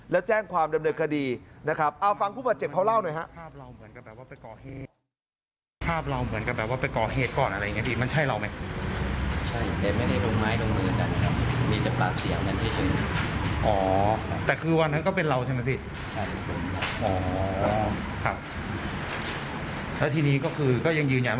และแจ้งความเดิมในคดีเอาฟังผู้ประเจ็บเขาเล่าหน่อย